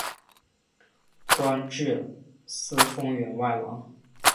官至司封员外郎。